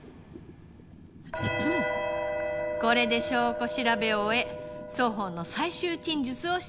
これで証拠調べを終え双方の最終陳述をしていただきます。